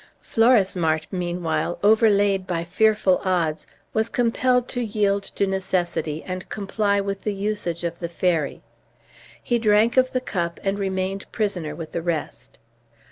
Florismart, meanwhile, overlaid by fearful odds, was compelled to yield to necessity, and comply with the usage of the fairy. He drank of the cup and remained prisoner with the rest.